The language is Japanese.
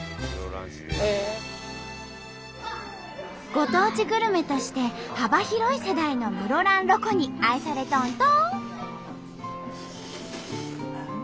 ご当地グルメとして幅広い世代の室蘭ロコに愛されとんと。